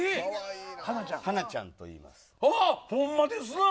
ハナちゃんといいます。